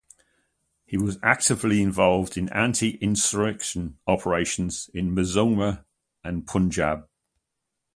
He was actively involved in anti-insurgency operations in Mizoram and Punjab.